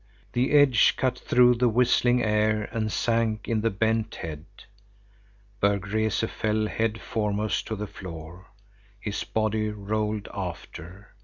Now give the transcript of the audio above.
The edge cut through the whistling air and sank in the bent head. Berg Rese fell head foremost to the floor, his body rolled after.